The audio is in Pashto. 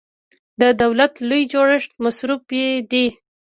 د دولت لوی جوړښت مصرفي دی.